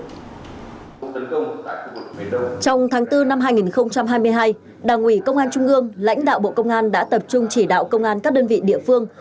trong tháng bốn năm hai nghìn hai mươi hai đảng ủy công an trung ương lãnh đạo bộ công an đã tập trung chỉ đạo công an các đơn vị địa phương